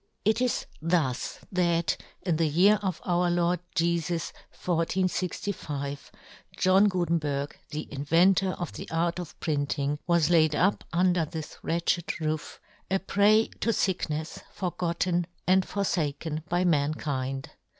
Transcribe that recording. It is thus that, in the year of Our Lord Jefus 1465, John Gutenberg, the inventor of the art of printing, w^as laid up under this wretched roof, a prey to ficknefs, forgotten and for faken by mankind.